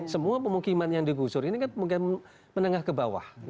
semua pemukiman yang digusur ini kan mungkin menengah ke bawah